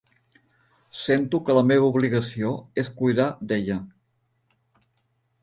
Sento que la meva obligació és cuidar d'ella.